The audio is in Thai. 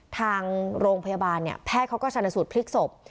ทางโรงพยาบาลเนี่ยแพทย์เขาก็ชนสูตรพลิกศพ